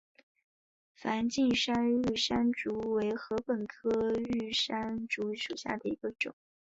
梵净山玉山竹为禾本科玉山竹属下的一个种。